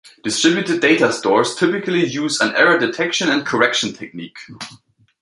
Distributed data stores typically use an error detection and correction technique.